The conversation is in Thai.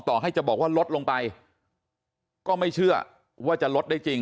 ต่อให้จะบอกว่าลดลงไปก็ไม่เชื่อว่าจะลดได้จริง